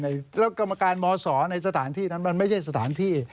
แล้วกรรมการมศในสถานที่นั้นมันไม่ใช่สถานที่